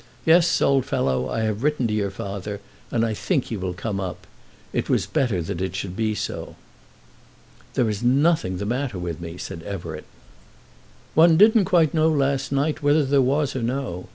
Yes, old fellow, I have written to your father, and I think he will come up. It was better that it should be so." "There is nothing the matter with me," said Everett. "One didn't quite know last night whether there was or no.